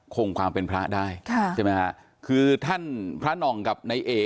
คงความเป็นพระได้ค่ะใช่ไหมฮะคือท่านพระหน่องกับนายเอ๋